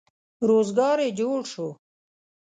روزګار یې جوړ شو.